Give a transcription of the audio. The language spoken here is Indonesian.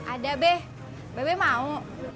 ada be bebe mau